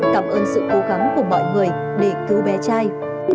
cảm ơn sự cố gắng của mọi người để cứu bé trai